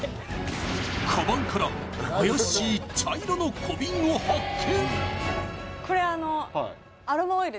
カバンからあやしい茶色の小瓶を発見